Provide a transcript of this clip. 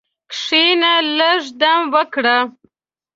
کښېنه، لږ دم وکړه.